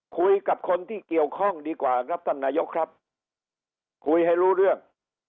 คุยกับคนที่เกี่ยวข้องดีกว่าครับท่านนายกครับคุยให้รู้เรื่อง